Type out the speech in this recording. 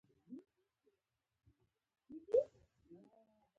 او څارونکو ته اجازه ورکړل شي